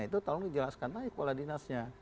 itu tolong dijelaskan lagi kepala dinasnya